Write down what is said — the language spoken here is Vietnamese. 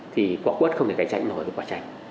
thì quả quất không thể cạnh tranh nổi với quả tranh